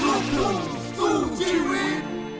ลุกนั่งสู้จี๊วิน